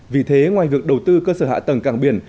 vì thế ngoài việc đầu tư cơ sở hạ tầng cảng biển